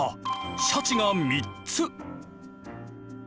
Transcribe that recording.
シャチが３つ。